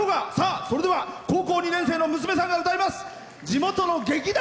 高校２年生の娘さんが歌います。